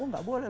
oh gak boleh